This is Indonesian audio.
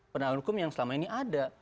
penanganan hukum yang selama ini ada